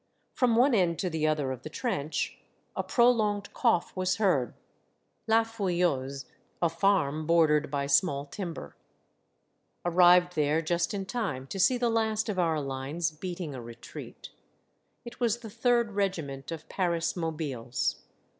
From one end to the other of the trench, a prolonged cough was heard. La Fouilleuse, — a farm, bordered by small timber. Arrived there just in time to see the last of our lines beating a retreat. It was the Third Regiment of Paris mobiles.